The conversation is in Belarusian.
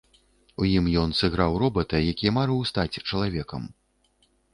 У ім ён сыграў робата, які марыў стаць чалавекам.